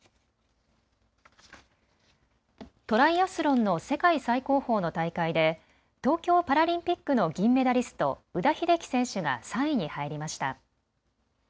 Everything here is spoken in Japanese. トライアスロンの世界最高峰の大会で東京パラリンピックの銀メダリスト、宇田秀生選手が３位に入りました。